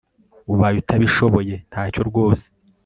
ubaye utabishoboye ntacyo rwose